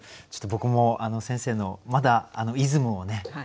ちょっと僕も先生のまだイズムをね